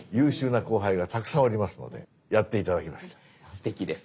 すてきです。